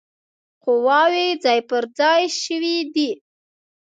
قواوي ځای پر ځای شوي دي.